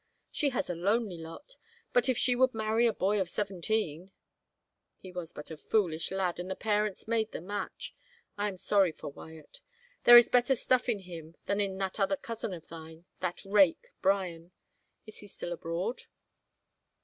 She has a lonely lot, but if she would marry a boy of seventeen —"" He was but a foolish lad, and the parents made the match. I am sorry for Wyatt. There is better stuff in him than in that other cousin of thine, that rake, Bryan. Is he still abroad